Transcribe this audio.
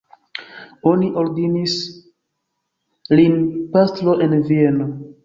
Oni ordinis lin pastro en Vieno.